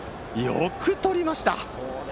よくとりました。